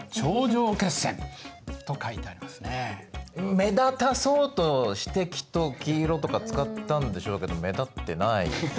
目立たそうとしてきっと黄色とか使ったんでしょうけど目立ってないですよね。